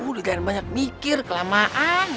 udah jangan banyak mikir kelamaan